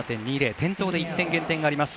転倒で１点減点があります。